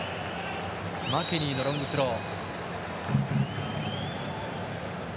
マケニーのロングスロー。